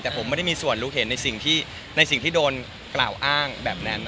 แต่ผมไม่ได้มีส่วนรู้เห็นในสิ่งที่โดนกล่าวอ้างแบบนั้น